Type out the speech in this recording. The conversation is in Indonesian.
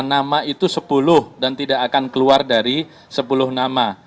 lima nama itu sepuluh dan tidak akan keluar dari sepuluh nama